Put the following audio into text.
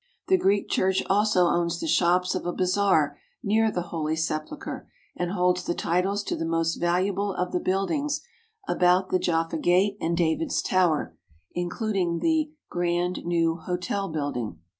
The Greek Church also owns the shops of a bazaar near the Holy Sepulchre and holds the titles to the most valuable of the buildings about the Jaffa Gate and David's Tower, including the Grand New Hotel building.